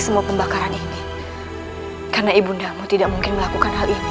semua pembakaran ini karena ibundamu tidak mungkin melakukan hal ini